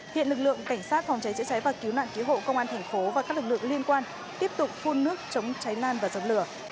hiện lực lượng cảnh sát phòng cháy chữa cháy và cứu nạn cứu hộ công an thành phố và các lực lượng liên quan tiếp tục phun nước chống cháy lan và dập lửa